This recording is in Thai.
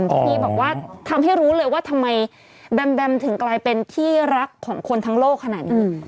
ที่บอกว่าทำให้รู้เลยว่าทำไมแบมแบมถึงกลายเป็นที่รักของคนทั้งโลกขนาดนี้